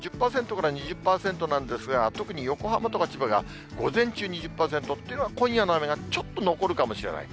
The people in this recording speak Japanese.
１０％から２０％なんですが、特に横浜とか千葉が午前中２０％というのは、今夜の雨がちょっと残るかもしれない。